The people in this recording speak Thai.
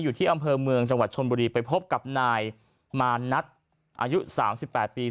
อยู่ที่อำเภอเมืองจังหวัดชนบุรีไปพบกับนายมานัทอายุ๓๘ปี